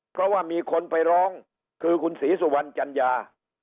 เพราะว่ามีคนไปร้องคือคุณศรีสุวรรณจัญญา